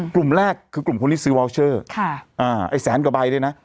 กลุ่มแรกคือกลุ่มคนที่ซื้อวาวเชอร์ค่ะอ่าไอ้แสนกว่าใบด้วยนะ